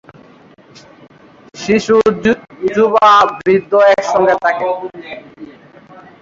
শিশু-যুবা-বৃদ্ধ একসঙ্গে থাকে।